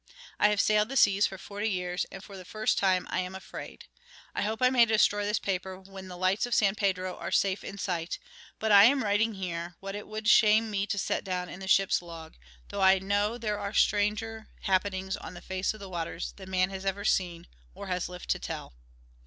I have sailed the seas for forty years, and for the first time I am afraid. I hope I may destroy this paper when the lights of San Pedro are safe in sight, but I am writing here what it would shame me to set down in the ship's log, though I know there are stranger happenings on the face of the waters than man has ever seen or has lived to tell.